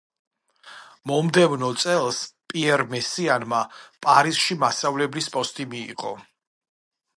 მომდევნო წელს პიერ მესიანმა პარიზში მასწავლებლის პოსტი მიიღო.